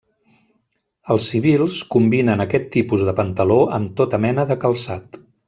Els civils combinen aquest tipus de pantaló amb tota mena de calçat.